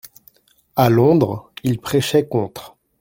À Londres, ils prêchaient contre.